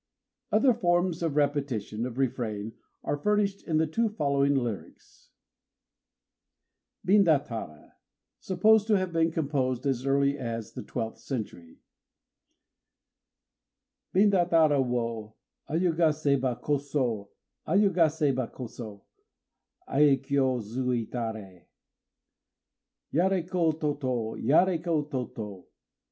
Other forms of repetition and of refrain are furnished in the two following lyrics: BINDATARA (Supposed to have been composed as early as the twelfth century) Bindatara wo Ayugaséba koso, Ayugaséba koso, Aikyô zuitaré! _Yaréko tôtô, Yaréko tôtô!